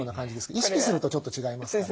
意識するとちょっと違いますから。